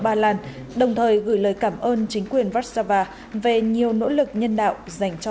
ba lan đồng thời gửi lời cảm ơn chính quyền vashava về nhiều nỗ lực nhân đạo dành cho